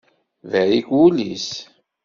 Berrik wul-is.